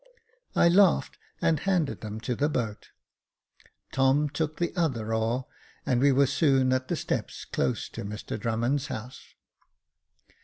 I laughed, and handed them to the boat. Tom took the other oar, and we were soon at the steps close to Mr Drummond's house.